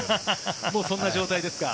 もうそんな状態ですか？